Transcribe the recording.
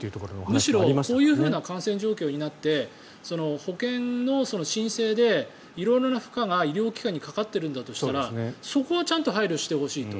むしろこういうふうな感染状況になって保険の申請で色々な負荷が医療機関にかかっているんだとしたらそこはちゃんと配慮してほしいと。